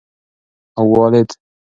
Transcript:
اوالد